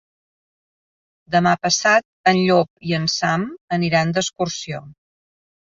Demà passat en Llop i en Sam aniran d'excursió.